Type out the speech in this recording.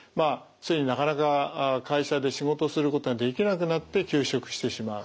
ついになかなか会社で仕事することができなくなって休職してしまう。